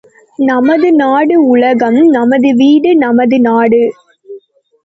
நமது நாடு உலகம் நமது வீடு, நமது நாடு.